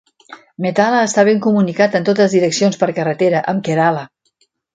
Methala està ben comunicat en totes direccions per carretera amb Kerala.